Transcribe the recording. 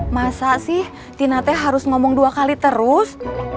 masa sih tinate harus ngomong dua kali terus